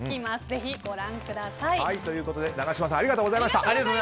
ぜひご覧ください。ということで永島さんありがとうございました。